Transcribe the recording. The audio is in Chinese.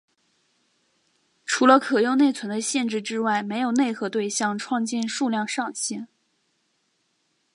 除了可用内存的限制之外没有内核对象创建数量上限。